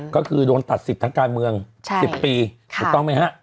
ก็คือโดนตัดสิทธิ์ทางการเมือง๑๐ปีถูกต้องไหมฮะ